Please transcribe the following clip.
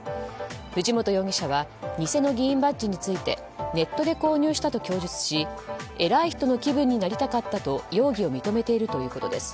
藤本容疑者は偽の議員バッジについてネットで購入したと供述しえらい人の気分になりたかったと容疑を認めているということです。